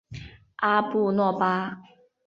阿布诺巴。